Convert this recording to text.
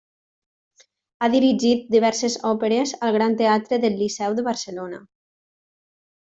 Ha dirigit diverses òperes al Gran Teatre del Liceu de Barcelona.